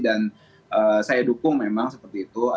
dan saya dukung memang seperti itu